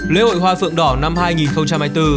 lễ hội hoa phượng đỏ năm hai nghìn hai mươi bốn